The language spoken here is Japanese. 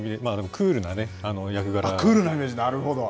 クールな役クールなイメージ、なるほど。